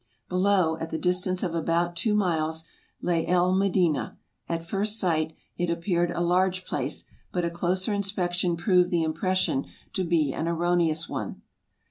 Below, at the distance of about two miles, lay El Medina; at first sight it appeared a large place, but a closer inspec tion proved the impression to be an erroneous one.